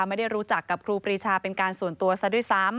ไม่ได้รู้จักกับครูปรีชาเป็นการส่วนตัวซะด้วยซ้ำ